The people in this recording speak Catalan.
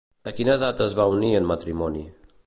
A quina edat es va unir en matrimoni?